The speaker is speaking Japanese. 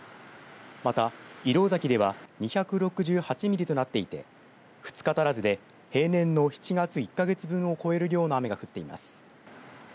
また、石廊崎では２６８ミリとなっていて２日足らずで平年の７月１か月分を超える量の雨が降っています。